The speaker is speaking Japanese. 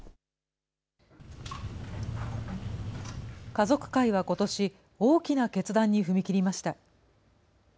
家族会はことし、大きな決断に踏み切りました。